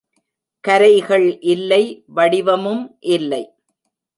கரைகள் இல்லை வடிவமும் இல்லை